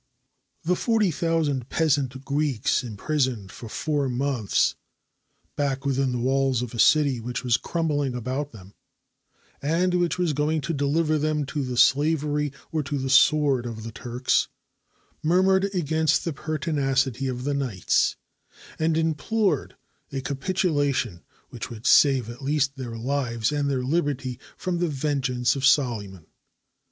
] The forty thousand peasant Greeks imprisoned for four months back within the walls of a city which was crumbling about them, and which was going to deliver them to the slavery or to the sword of the Turks, mur mured against the pertinacity of the knights, and im plored a capitulation which would save at least their lives and their liberty from the vengeance of Solyman.